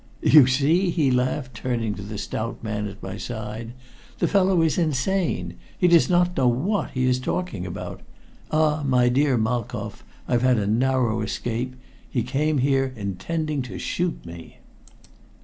"You see?" he laughed, turning to the stout man at my side. "The fellow is insane. He does not know what he is talking about. Ah, my dear Malkoff, I've had a narrow escape! He came here intending to shoot me."